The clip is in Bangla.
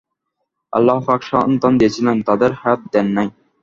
আল্লাহপাক সন্তান দিয়েছিলেন, তাদের হায়াত দেন নাই।